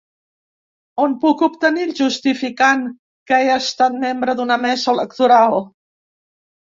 On puc obtenir el justificant que he estat membre d’una mesa electoral?